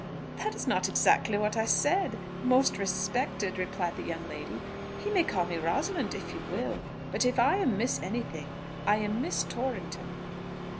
"That is not exactly what I said. Most Respected!" replied the young lady. "He may call me Rosalind if he will; but if I am Miss any thing, I am Miss Torrington."